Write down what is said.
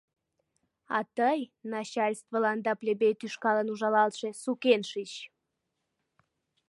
А тый, начальствылан да плебей тӱшкалан ужалалтше, сукен шич.